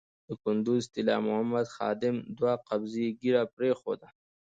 د کندز طلا محمد خادم دوه قبضې ږیره پرېښوده.